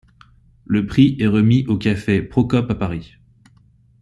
Le prix est remis au café Procope à Paris.